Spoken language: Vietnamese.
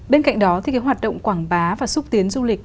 bên cạnh đó thì cái hoạt động quảng bá và xúc tiến du lịch